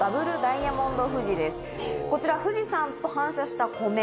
こちら富士山と反射した湖面